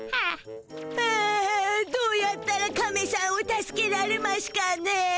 あぁどうやったらカメしゃんを助けられましゅかね。